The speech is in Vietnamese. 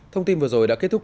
thông tin vừa rồi đã kết thúc